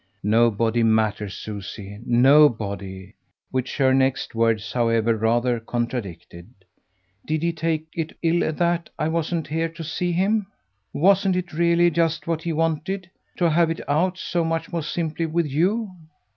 "Nobody matters, Susie. Nobody." Which her next words, however, rather contradicted. "Did he take it ill that I wasn't here to see him? Wasn't it really just what he wanted to have it out, so much more simply, with YOU?"